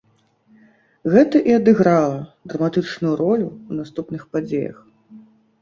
Гэта і адыграла драматычную ролю ў наступных падзеях.